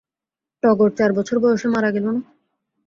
টগর চার বছর বয়সে মারা গেল না?